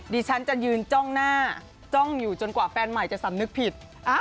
ดิฉันจะยืนจ้องหน้าจ้องอยู่จนกว่าแฟนใหม่จะสำนึกผิด